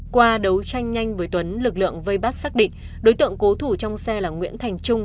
qua đấu tranh nhanh với tuấn lực lượng vây bắt xác định đối tượng cố thủ trong xe là nguyễn thành trung